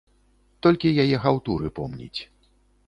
Толькі яе хаўтуры помніць.